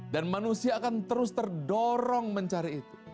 dan manusia akan terus terdorong mencari itu